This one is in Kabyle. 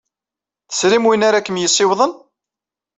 Tesrim win ara kem-yessiwḍen?